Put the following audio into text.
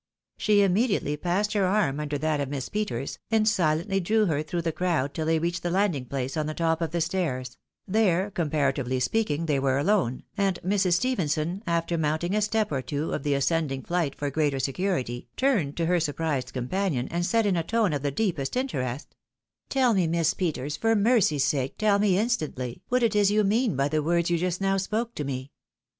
She immediately passed her arm under that of Miss Peters, and silently drew her tlxrough the crowd till they reached the landing place on the top of the stairs ; there, comparatively speaking, they were alone, and Mrs. Stephenson after mounting a step or two of the ascending flight for greater security, turned to her surprised companion, and said in a tone of the deepest interest, " Tell me, Miss Peters, for mercy's sake, tell me instantly, what it is you mean by the words you just now spoke to me."